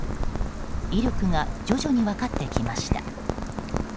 威力が徐々に分かってきました。